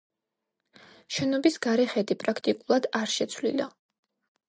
შენობის გარე ხედი პრაქტიკულად არ შეცვლილა.